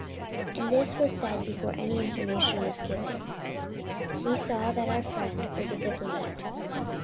And this was said before any information was given. We saw that our friend was a diplomat.